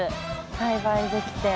栽培できて。